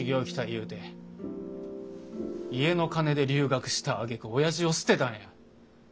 言うて家の金で留学したあげくおやじを捨てたんや。